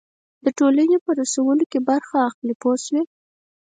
د ټولنې په رسولو کې برخه اخلي پوه شوې!.